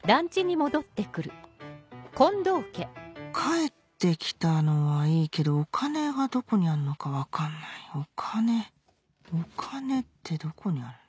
帰って来たのはいいけどお金がどこにあんのか分かんないお金お金ってどこにあるんだ？